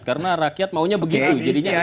karena rakyat maunya begitu